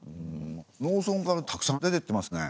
農村からたくさん出てってますね。